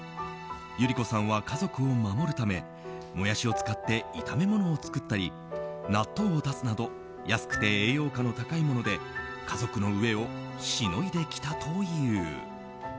百合子さんは家族を守るためモヤシを使って炒め物を作ったり納豆を出すなど安くて栄養価の高いもので家族の飢えをしのいできたという。